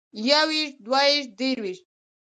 يوويشت دوويشت درويشت